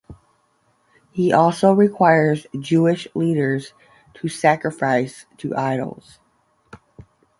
He also requires Jewish leaders to sacrifice to idols.